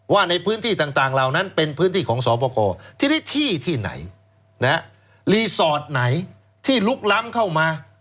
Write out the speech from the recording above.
ว่าในพื้นที่ต่างเหล่านั้นเป็นพื้นที่ของสอบคอทีนี้ที่ที่ไหนรีสอร์ทไหนที่ลุกล้ำเข้ามา